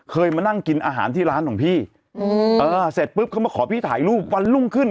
เคยมานั่งกินอาหารที่ร้านของพี่อืมเออเสร็จปุ๊บเขามาขอพี่ถ่ายรูปวันรุ่งขึ้น